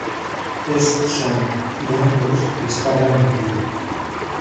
Es Xan y ambos disparan un tiro.